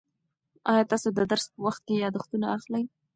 آیا تاسو د درس په وخت کې یادښتونه اخلئ؟